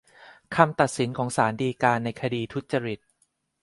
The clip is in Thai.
คำตัดสินของศาลฎีกาในคดีทุจริต